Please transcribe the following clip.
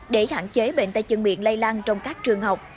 để hạn chế bệnh tay chân miệng lây lan trong các trường học